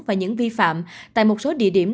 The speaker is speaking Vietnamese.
và những vi phạm tại một số địa điểm